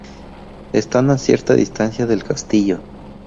Están a cierta distancia del castillo.